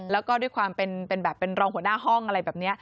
แล้วก็ด้วยความเป็นแบบเป็นรองหัวหน้าห้องอะไรแบบนี้